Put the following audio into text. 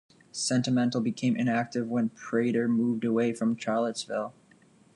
Sentimental became inactive when Prater moved away from Charlottesville.